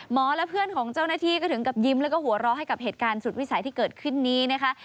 และเพื่อนของเจ้าหน้าที่ก็ถึงกับยิ้มแล้วก็หัวเราะให้กับเหตุการณ์สุดวิสัยที่เกิดขึ้นนี้นะคะ